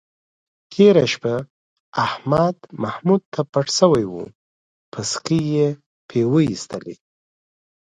تېره شپه احمد محمود ته پټ شوی و، پسکې یې پې وایستلی.